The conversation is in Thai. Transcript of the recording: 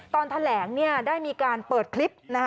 ตอนแถลงได้มีการเปิดคลิป